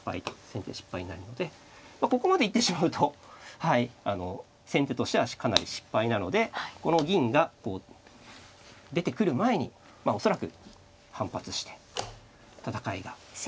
先手失敗になるのでここまで行ってしまうと先手としてはかなり失敗なのでこの銀がこう出てくる前にまあ恐らく反発して戦いが。